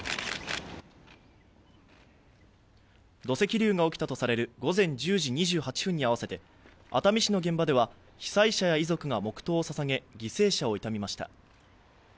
土石流が起きたとされる午前１０時２８分に合わせて熱海市の現場では被災者や遺族が黙とうを捧げ、犠牲者を悼みました。